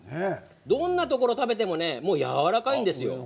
どんなところを食べてもねやわらかいんですよ。